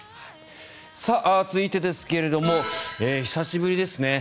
続いてですが、久しぶりですね。